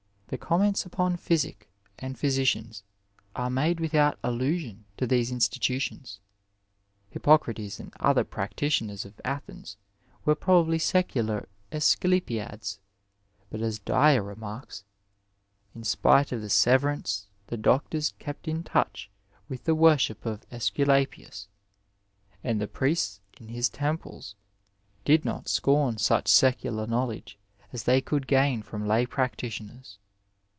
The comments upon physic and physicians are made without allusion to these institutions. Hippocrates and other practitioners at Athens were pro bably seculmr Asclepiads, but as Dyer remarks, *' in spite of the severance the doctors kept in touch with the wor ship of .^Isculapius, and the priests in his temples did not scorn such secular knowledge as they could gain from lay practitioners.